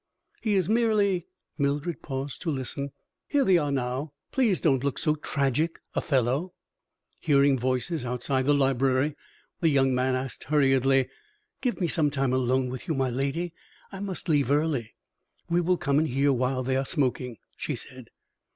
"He is merely " Mildred paused to listen. "Here they are now. Please don't look so tragic, Othello." Hearing voices outside the library, the young man asked, hurriedly: "Give me some time alone with you, my Lady. I must leave early." "We will come in here while they are smoking," she said.